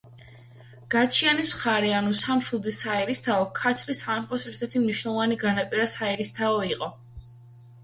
გაჩიანის მხარე ანუ სამშვილდის საერისთავო ქართლის სამეფოს ერთ-ერთი მნიშვნელოვანი განაპირა საერისთავო იყო.